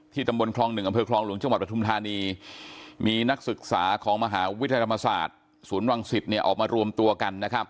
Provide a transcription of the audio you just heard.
ที่ตำบลครองหนึ่งอำเภอครองหลวงจังหวัดประธุมธรรมดามีนักศึกษาของมหาวิทยาลัมศาสตร์ศูนย์วังศิษย์ออกมารวมตัวกัน